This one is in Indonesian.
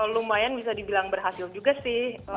lumayan bisa dibilang berhasil juga sih